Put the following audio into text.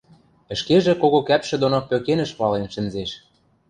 ӹшкежӹ кого кӓпшӹ доно пӧкенӹш вален шӹнзеш.